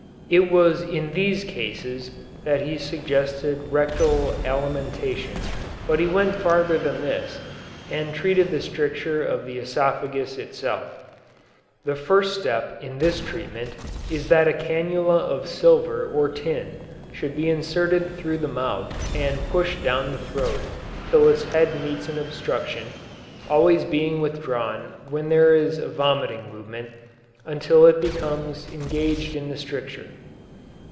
It was in these cases that he suggested rectal alimentation, but he went farther than this, and treated the stricture of the esophagus itself. The first step in this treatment is that a canula of silver or tin should be inserted through the mouth and pushed down the throat till its head meets an obstruction, always being withdrawn when there is a vomiting movement, until it becomes engaged in the stricture.